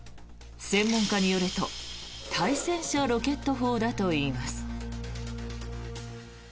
専門家によると対戦車ロケット砲だといいます。